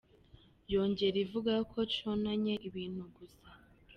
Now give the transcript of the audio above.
Yongera ivuga ko cononye ibintu gusa.